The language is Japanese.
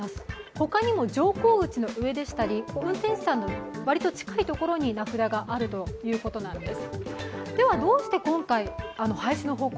他にも乗降口の上でしたり運転手さんの割と近いところに名札があるということなんです。